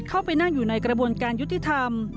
เข้าไปนั่งอยู่ในกระบวนการยุติธรรม